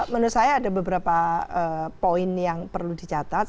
menurut saya ada beberapa poin yang perlu dicatat